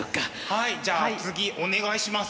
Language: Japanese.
はいじゃあ次お願いします。